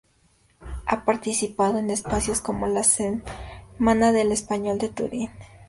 Ha participado en espacios como la Semana del español de Turín.